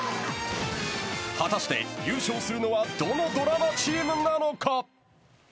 果たして優勝するのはどのドラマチームなのか？